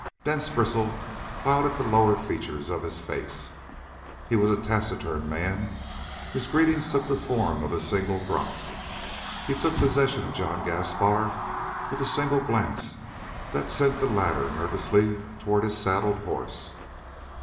Dense bristle clouded the lower features of his face. He was a taciturn man. His greetings took the form of a single grunt. He took possession of John Gaspar with a single glance that sent the latter nervously toward his saddle horse.